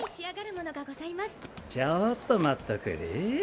ちょっと待っとくれ。